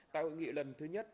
tại hội nghị lần thứ nhất